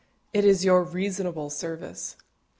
It is "your reasonable service."